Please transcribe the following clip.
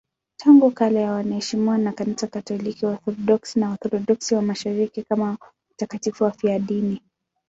Tangu kale wanaheshimiwa na Kanisa Katoliki, Waorthodoksi na Waorthodoksi wa Mashariki kama watakatifu wafiadini.